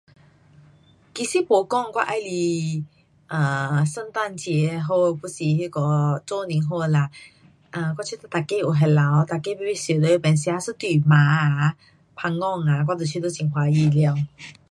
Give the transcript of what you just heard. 其实没讲我喜欢，啊，圣诞节好还是那个做年好啦，啊，我觉得每个有回来，每个排排坐那边吃一顿饭啊，旁讲啊，我就觉得很欢喜了。